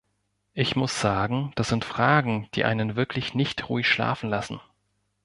Ich muss sagen, das sind Fragen, die einen wirklich nicht ruhig schlafen lassen.